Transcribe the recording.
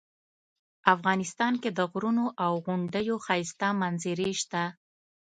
افغانستان کې د غرونو او غونډیو ښایسته منظرې شته